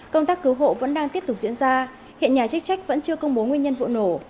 công tác cứu hộ vẫn đang tiếp tục diễn ra hiện nhà chức trách vẫn chưa công bố nguyên nhân vụ nổ